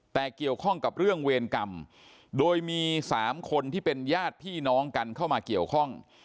แต่เกี่ยวข้องกับเรื่องเวรกรรมโดยมี๓คนที่เป็นญาติพี่น้องกันเข้ามาเกี่ยวข้อง